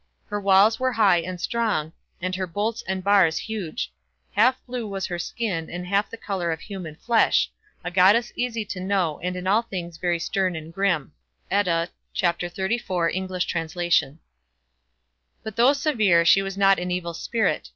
Her walls were high and strong, and her bolts and bars huge; "Half blue was her skin, and half the colour of human flesh. A goddess easy to know, and in all things very stern and grim." But though severe, she was not an evil spirit.